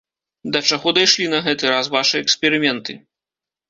Да чаго дайшлі на гэты раз вашы эксперыменты?